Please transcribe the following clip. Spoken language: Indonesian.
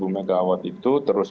megawatt itu terus